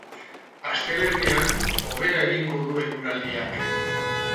Astelehenean hobera egingo du eguraldiak.